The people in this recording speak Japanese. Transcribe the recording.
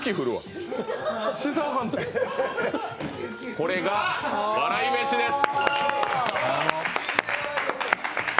これが笑い飯です。